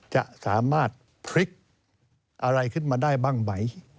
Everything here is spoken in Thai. จะสามารถพลิกอะไรขึ้นมาได้บ้างไหม